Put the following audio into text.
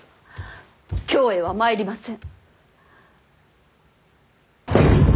京へは参りません。